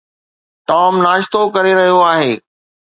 Tom ناشتو ڪري رهيو آهي.